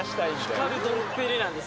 光るドンペリなんです。